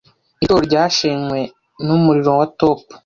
Iri torero ryashenywe numuriro wa top.